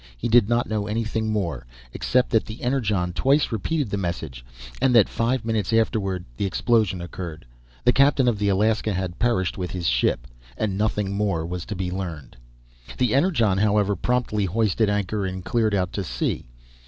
He did not know anything more, except that the Energon twice repeated the message and that five minutes afterward the explosion occurred. The captain of the Alaska had perished with his ship, and nothing more was to be learned. The Energon, however, promptly hoisted anchor and cleared out to sea.